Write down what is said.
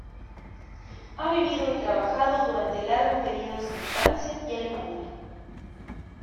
Ha vivido y trabajado durante largos períodos en Francia y Alemania.